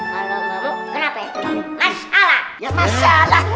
kalau kamu kenapa ya masalah